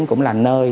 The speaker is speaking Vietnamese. cũng là nơi